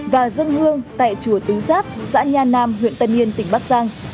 và dâng hương tại chùa tứ giáp xã nhãn nam huyện tân yên tỉnh bắc giang